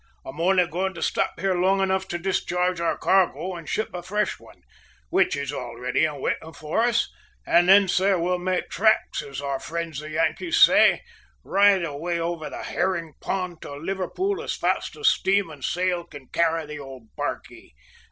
"I'm only going to stop here long enough to discharge our cargo and ship a fresh one; which is all ready and waiting for us; and then, sir, we'll `make tracks,' as our friends the Yankees say, right away over the `herring pond' to Liverpool as fast as steam and sail can carry the old barquey.